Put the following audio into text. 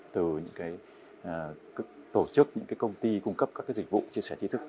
từ những tổ chức những công ty cung cấp các dịch vụ chia sẻ chi thức